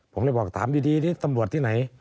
ผมเลยบอกถามดีที่ตำรวจที่ไหน